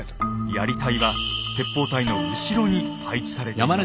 やり隊は鉄砲隊の後ろに配置されていました。